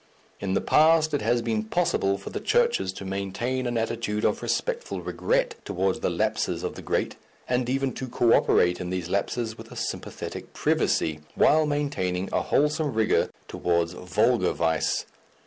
In the past it has been possible for the churches to maintain an attitude of respectful regret towards the lapses of the great, and even to co operate in these lapses with a sympathetic privacy, while maintaining a wholesome rigour towards vulgar vice.